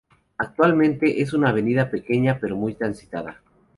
Actualmente, es una avenida pequeña pero muy transitada.